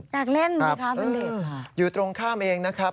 อยากเล่นอยู่ตรงข้ามเองนะครับ